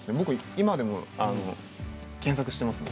今でも検索しています。